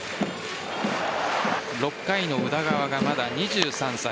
６回の宇田川がまだ２３歳。